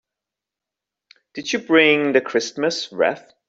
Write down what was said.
Did you bring the Christmas wreath?